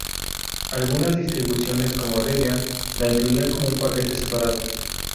Algunas distribuciones, como Debian, la incluyen como un paquete separado.